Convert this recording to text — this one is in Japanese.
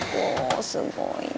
すごいな。